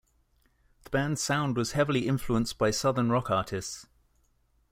The band's sound was heavily influenced by Southern rock artists.